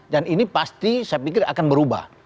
ini pasti saya pikir akan berubah